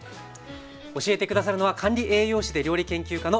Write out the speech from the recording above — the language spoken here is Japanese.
教えて下さるのは管理栄養士で料理研究家の牧野直子さんです。